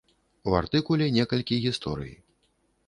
У артыкуле некалькі гісторый.